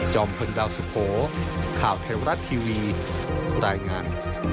จอมพลเกลาสุโขข่าวเทวรัตน์ทีวีรายงาน